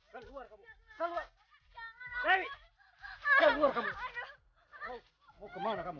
jangan keluar kamu